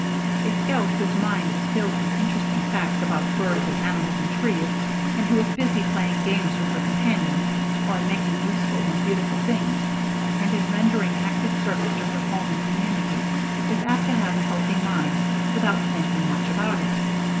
A scout whose mind is filled with interesting facts about birds and animals and trees, and who is busy playing games with her companions or in making useful and beautiful things and in rendering active service to her home and community, is apt to have a healthy mind without thinking much about it.